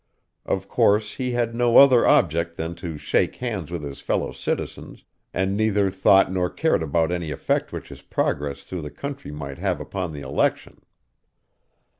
Of course, he had no other object than to shake hands with his fellow citizens, and neither thought nor cared about any effect which his progress through the country might have upon the election.